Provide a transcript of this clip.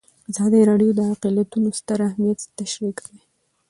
ازادي راډیو د اقلیتونه ستر اهميت تشریح کړی.